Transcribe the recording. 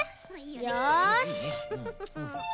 よし！